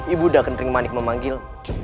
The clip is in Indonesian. ibu daken ringmanik memanggil